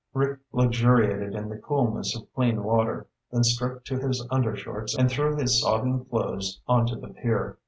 Rick luxuriated in the coolness of clean water, then stripped to his undershorts and threw his sodden clothes onto the pier.